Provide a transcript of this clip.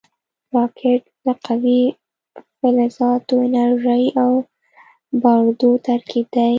راکټ د قوي فلزاتو، انرژۍ او بارودو ترکیب دی